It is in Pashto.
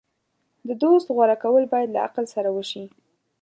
د دوست غوره کول باید له عقل سره وشي.